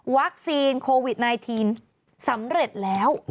วัคซีนโควิด๑๙สำเร็จแล้ว